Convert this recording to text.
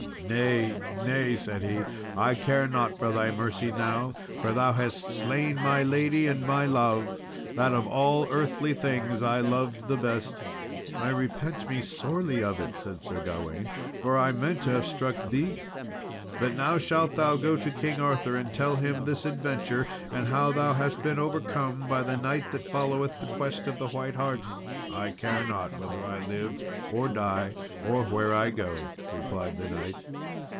"Nay, nay," said he, "I care not for thy mercy now, for thou hast slain my lady and my love that of all earthly things I loved the best." "I repent me sorely of it," said Sir Gawain, "for I meant to have struck thee: but now shalt thou go to King Arthur and tell him this adventure, and how thou hast been overcome by the knight that followeth the quest of the white hart." "I care not whether I live or die, or where I go," replied the knight.